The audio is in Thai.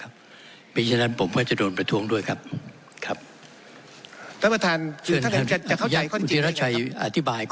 เพราะฉะนั้นผมก็จะโดนประท้วงด้วยครับครับท่านประธาน